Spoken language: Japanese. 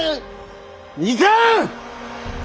いかん！